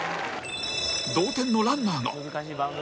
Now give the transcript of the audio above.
同点のランナーが！